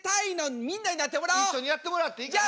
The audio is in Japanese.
一緒にやってもらっていいかな？